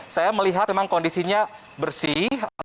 saya melihat memang kondisinya bersih